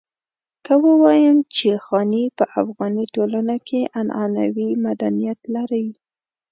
که ووايم چې خاني په افغاني ټولنه کې عنعنوي مدنيت لري.